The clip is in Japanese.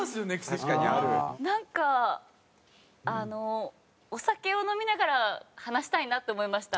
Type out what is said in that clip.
なんかあのお酒を飲みながら話したいなって思いました。